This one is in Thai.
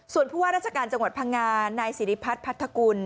ส่วนผู้ว่าราชการจังหวัดพังงานายสิริพัฒน์พัทธกุล